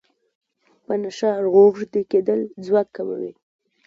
په نشه روږدی کیدل ځواک کموي.